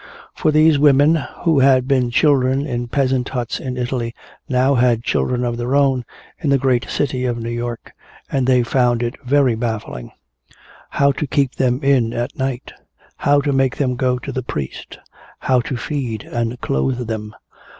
For these women who had been children in peasant huts in Italy now had children of their own in the great city of New York, and they found it very baffling. How to keep them in at night? How to make them go to the priest? How to feed and clothe them?